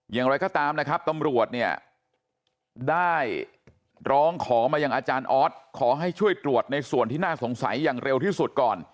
อย่างไรก็ตามนะครับตำรวจเนี่ยได้ร้องขอมาอย่างอาจารย์ออสขอให้ช่วยตรวจในส่วนที่น่าสงสัยอย่างเร็วที่สุดก่อน